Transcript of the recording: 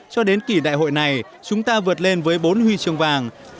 cho đến kỳ đại hội này chúng ta vượt lên với bốn huy chương vàng